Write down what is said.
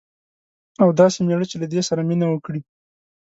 او داسي میړه چې له دې سره مینه وکړي